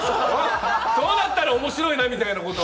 そうだったら面白いみたいなこと。